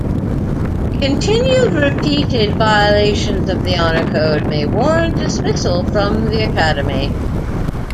Continued, repeated violations of the Honor Code may warrant dismissal from the Academy.